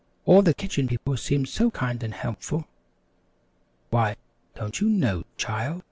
"All the Kitchen People seem so kind and helpful." "Why, don't you know, child?"